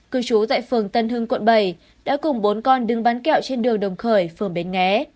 cư trú tại phường tân hưng quận bảy đã cùng bốn con đứng bán kẹo trên đường đồng khởi phường bến nghé